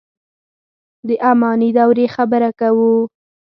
د اماني دورې خبره کوو.